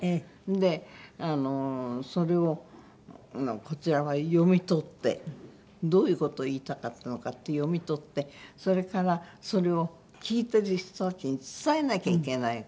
でそれをこちらは読み取ってどういう事を言いたかったのかって読み取ってそれからそれを聴いてる人たちに伝えなきゃいけないわけ。